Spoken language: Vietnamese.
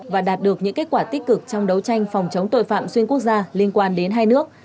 và đạt được những kết quả tích cực trong đấu tranh phòng chống tội phạm xuyên quốc gia liên quan đến hai nước